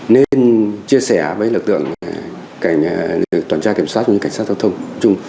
nên chia sẻ với lực lượng toàn tra kiểm soát của cảnh sát giao thông